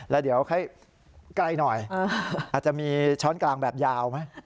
แล้วเดี๋ยวให้ไกลหน่อยอาจจะมีช้อนกลางแบบยาวไหม